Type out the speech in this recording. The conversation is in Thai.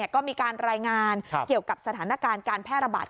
ก็มีการรายงานเกี่ยวกับสถานการณ์การแพร่ระบาด